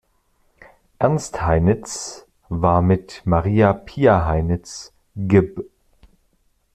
Ernst Heinitz war mit Maria Pia Heinitz, geb.